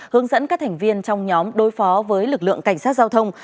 hướng dẫn các thành viên trong nhóm đối phó với lực lượng cảnh sát giao thông